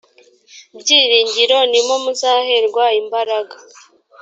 byiringiro ni mo muzaherwa imbaraga